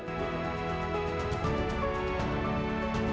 mereka juga menangani penyakit covid sembilan belas di jakarta